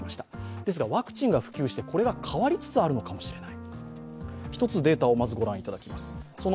ですがワクチンが普及してこれが変わりつつあるのかもしれない。